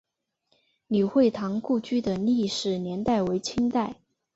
李惠堂故居的历史年代为清代。